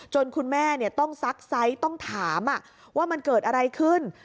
คุณแม่ต้องซักไซส์ต้องถามว่ามันเกิดอะไรขึ้น